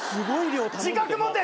自覚持て！